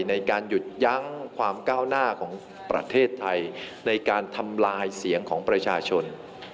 ในการหยุดยั้งความก้าวหน้าของประเทศไทยในการทำลายเสียงของประชาชน